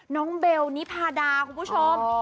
เบลนิพาดาคุณผู้ชม